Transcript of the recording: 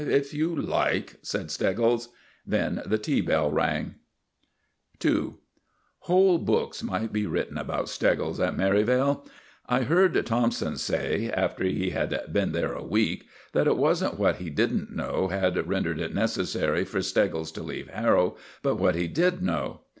"If you like," said Steggles. Then the tea bell rang. II Whole books might be written about Steggles at Merivale. I heard Thompson say, after he had been there a week, that it wasn't what he didn't know had rendered it necessary for Steggles to leave Harrow, but what he did know.